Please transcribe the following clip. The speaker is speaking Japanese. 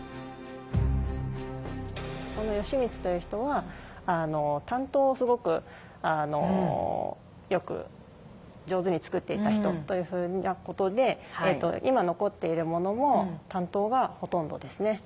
この吉光という人は短刀をすごくよく上手につくっていた人というふうなことで今残っているものも短刀がほとんどですね。